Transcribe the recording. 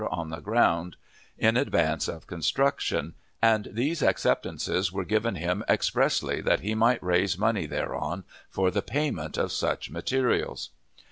on the ground, in advance of construction, and these acceptances were given him expressly that he might raise money thereon for the payment of such materials.